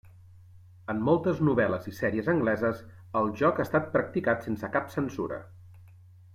En moltes novel·les i sèries angleses, el joc ha estat practicat sense cap censura.